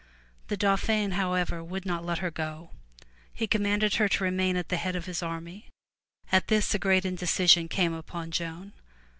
The Dauphin however would not now let her go. He commanded her to remain at the head of his army. At this a great indecision came upon Joan.